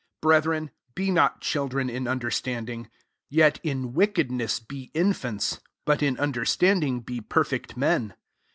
£0 Brethren, be not child ren in understanding: yet, in wickedness be infants, but in understanding be perfect men.